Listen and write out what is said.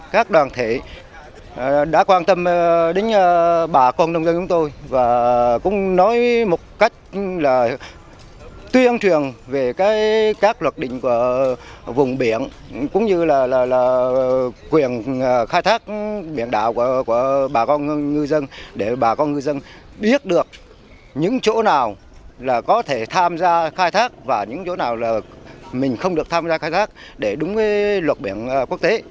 các biển đảo của bà con ngư dân để bà con ngư dân biết được những chỗ nào là có thể tham gia khai thác và những chỗ nào là mình không được tham gia khai thác để đúng luật biển quốc tế